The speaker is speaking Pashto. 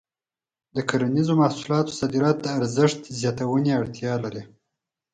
د کرنیزو محصولاتو صادرات د ارزښت زیاتونې اړتیا لري.